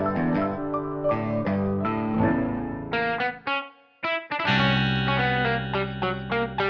eh mari mari masuk